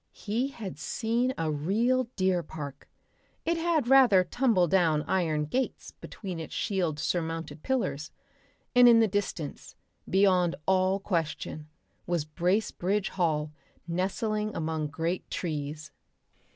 He had seen a real deer park, it had rather tumbledown iron gates between its shield surmounted pillars, and in the distance, beyond all question, was Bracebridge Hall nestling among great trees.